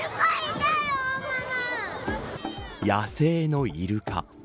野生のイルカ。